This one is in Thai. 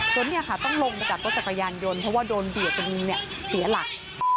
จนเนี่ยค่ะต้องลงไปจับรถจักรยานยนต์เพราะว่าโดนบีจจนมึงเสียหลัก